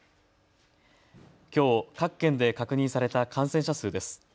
きょう、各県で確認された感染者数です。